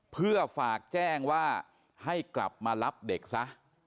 เพื่อฝากแจ้งว่าให้กลับมารับเด็กซะ